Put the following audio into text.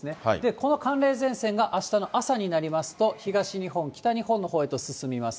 この寒冷前線があしたの朝になりますと、東日本、北日本のほうへと進みます。